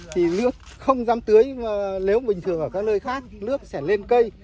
thì nước không dám tưới nếu bình thường ở các nơi khác nước sẽ lên cây